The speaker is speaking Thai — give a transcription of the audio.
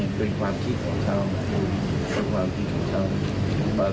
มันเป็นความคิดของข้าความคิดของข้า